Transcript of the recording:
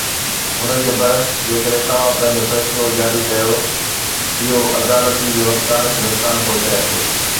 ان جي برعڪس، جيڪڏهن توهان پنهنجو فيصلو جاري ڪيو، اهو عدالتن جي وقار کي نقصان پهچائي ٿو